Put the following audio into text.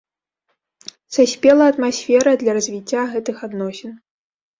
Саспела атмасфера для развіцця гэтых адносін.